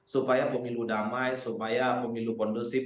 supaya pemilu damai supaya pemilu kondusif